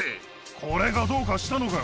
これがどうかしたのかよ。